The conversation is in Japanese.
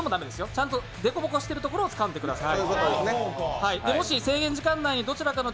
ちゃんと凸凹しているところをつかんでください。